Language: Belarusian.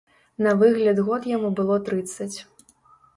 На выгляд год яму было трыццаць.